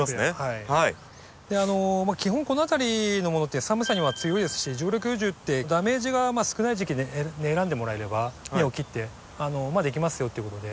基本この辺りのものって寒さには強いですし常緑樹ってダメージが少ない時期選んでもらえれば根を切ってできますよっていうことで。